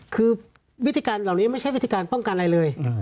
คือวิธีการเหล่านี้ไม่ใช่วิธีการป้องกันอะไรเลย